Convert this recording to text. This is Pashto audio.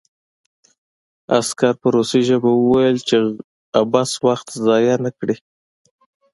عسکر په روسي ژبه وویل چې عبث وخت ضایع نه کړي